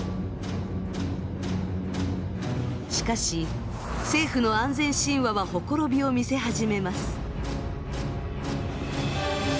しかし政府の安全神話はほころびを見せ始めます。